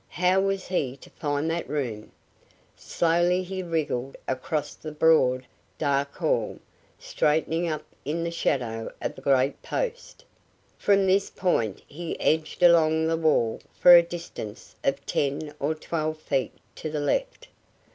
How was he to find that room? Slowly he wriggled across the broad, dark hall, straightening up in the shadow of a great post. From this point he edged along the wall for a distance of ten or twelve feet to the left.